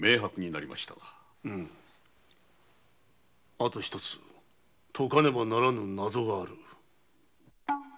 あと一つ解かねばならぬ謎がある。